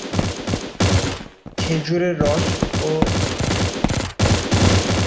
খেজুড়ের গুড় ও রসের গন্ধে চারিদিক মো মো করে।